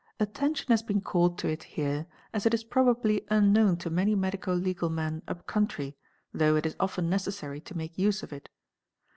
Attention has been called to it here as it is probably unknown to many medico legal men up country though it is often necessary to make use of it.